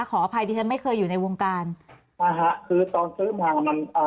ขออภัยดิฉันไม่เคยอยู่ในวงการนะฮะคือตอนซื้อมามันอ่า